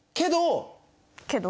けど。